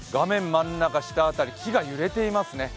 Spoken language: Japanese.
真ん中下辺り、木が揺れていますね。